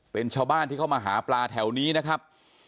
เป็นชาวบ้านที่เข้ามาหาปลาแถวนี้นะครับ